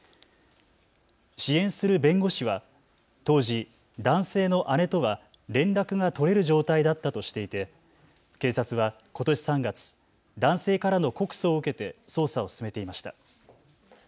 支援する弁護士は当時、男性の姉とは連絡が取れる状態だったとしていて警察はことし３月、男性からの告訴を受けて捜査を進めていました。